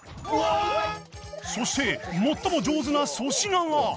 そして最も上手な粗品が